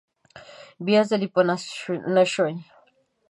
بیا ځلې په نصیب نشوې.